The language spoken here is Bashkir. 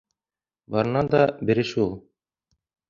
Барынан да бере шул: